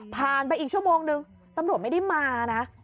ผ่านไปอีกชั่วโมงนึงตำรวจไม่ได้มานะ